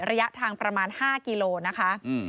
ระยะทางประมาณ๕กิโลนะคะ